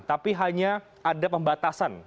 tapi hanya ada pembatasan